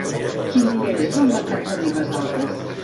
Quin dia és el mercat de Ribesalbes?